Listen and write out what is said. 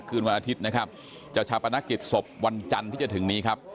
คืนวันอาทิตย์นะครับจะชาปนกิจศพวันจันทร์ที่จะถึงนี้ครับ